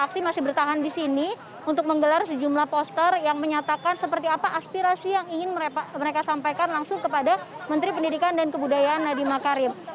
aksi masih bertahan di sini untuk menggelar sejumlah poster yang menyatakan seperti apa aspirasi yang ingin mereka sampaikan langsung kepada menteri pendidikan dan kebudayaan nadiem makarim